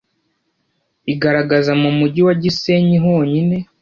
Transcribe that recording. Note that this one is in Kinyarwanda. igaragaza mu mujyi wa Gisenyi honyine